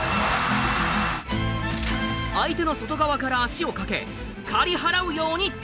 相手の外側から足を掛け刈り払うように倒す。